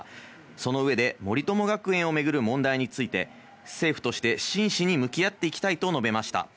その上で森友学園をめぐる問題について政府として真摯に向き合っていきたいと述べました。